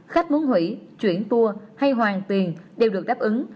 khách muốn hủy chuyển tour hay hoàn tiền đều được đáp ứng